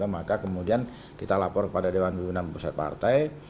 maka kemudian kita lapor kepada dewan pemimpinan bersat partai